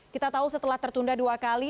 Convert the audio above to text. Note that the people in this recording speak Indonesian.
kita tahu setelah tertunda dua kali